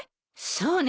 そうね！